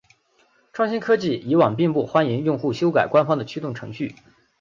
创新科技以往并不欢迎用户修改官方的驱动程序。